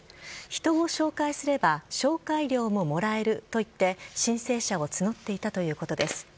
人を紹介すれば紹介料ももらえると言って申請者を募っていたということです。